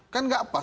kan enggak pas